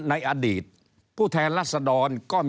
ในระดับผู้แทนลักษณ์ล่ะครับ